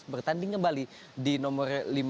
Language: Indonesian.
bertanding kembali di nomor